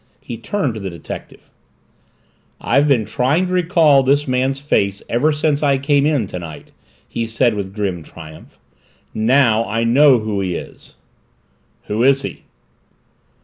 He turned to the detective. "I've been trying to recall this man's face ever since I came in tonight " he said with grim triumph. "Now, I know who he is." "Who is he?"